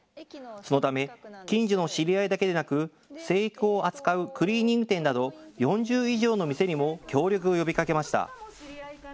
そのため近所の知り合いだけでなく制服を扱うクリーニング店など４０以上の店にも協力を呼びかけました。